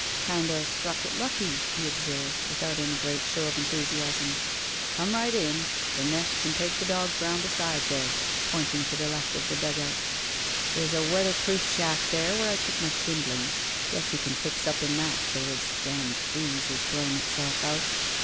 "Kind o' struck it lucky," he observed, without any great show of enthusiasm. "Come right in. The neche can take the dogs round the side there," pointing to the left of the dugout. "There's a weatherproof shack there where I keep my kindling. Guess he can fix up in that till this d d breeze has blown itself out.